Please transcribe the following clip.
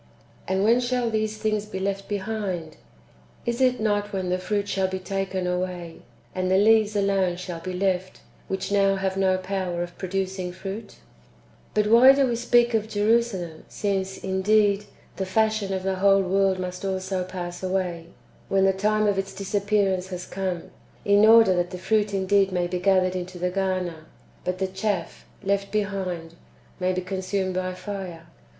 ^ And when shall these things be left be hind ? Is it not when the fruit shall be taken away, and the leaves alone shall be left, which now have no power of pro ducing fruit ? 3. But why do we speak of Jerusalem, since, indeed, the fashion of the whole world must also pass away, when the time of its disappearance has come, in order that the fruit indeed may be gathered into the garner, but the chaff, left behind, may be consumed by fire